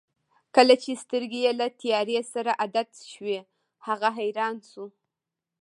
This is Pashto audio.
کله چې سترګې یې له تیارې سره عادت شوې هغه حیران شو.